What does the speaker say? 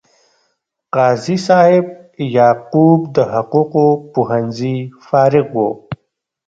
قاضي صاحب یعقوب د حقوقو پوهنځي فارغ و.